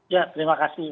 ya terima kasih